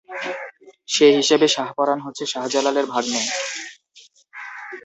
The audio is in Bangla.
সে হিসেবে শাহ পরাণ হচ্ছেন শাহ জালালের ভাগ্নে।